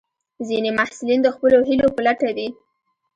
ځینې محصلین د خپلو هیلو په لټه وي.